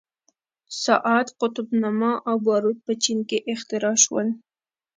ساعت، قطب نما او باروت په چین کې اختراع شول.